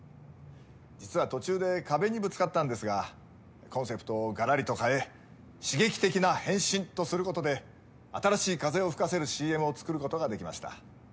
実は途中で壁にぶつかったんですがコンセプトをがらりと変え刺激的な変身とすることで新しい風を吹かせるＣＭを作ることができました。